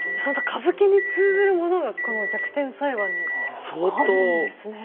歌舞伎に通じるものがこの「逆転裁判」にあるんですね。